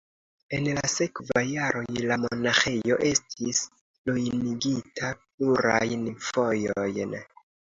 En la sekvaj jaroj la monaĥejo estis ruinigita plurajn fojojn.